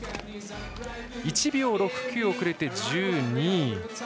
１秒６９遅れて１２位。